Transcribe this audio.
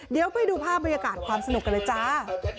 เดี๋ยวไปดูภาพบรรยากาศความสนุกกันเลยจ้า